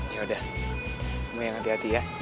yaudah kamu yang hati hati ya